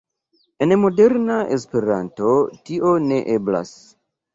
En moderna Esperanto tio ne eblas.